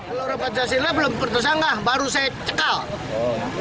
gelora pancasila belum tersangka baru saya cekal